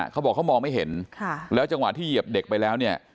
เขาบอกเขามองไม่เห็นแล้วจังหวะที่เหยียบเด็กไปแล้วเนี่ย